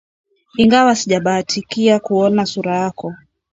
Ingawa sijabahatika kuiona sura yako